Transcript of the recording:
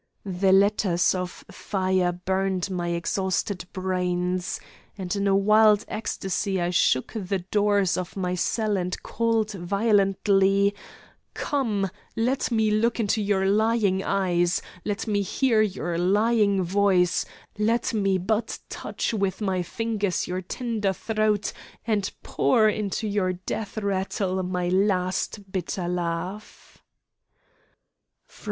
The letters of fire burned my exhausted brains, and in a wild ecstasy I shook the doors of my cell and called violently: "Come! Let me look into your lying eyes! Let me hear your lying voice! Let me but touch with my fingers your tender throat and pour into your death rattle my last bitter laugh!"